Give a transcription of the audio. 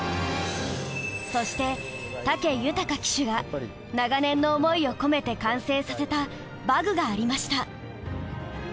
そして武豊騎手が長年の想いを込めて完成させた馬具がありました。